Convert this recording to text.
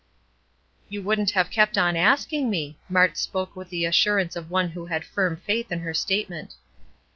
"You wouldn't have kept on asking me." Mart spoke with the assurance of one who had firm faith in her statement.